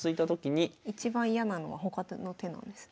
一番嫌なのは他の手なんですね。